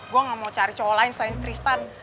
gua nggak mau cari cowok lain selain tristan